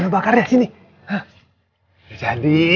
om baik maksudnya